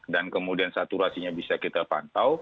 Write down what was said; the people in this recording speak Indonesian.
dan kemudian saturasinya bisa kita pantau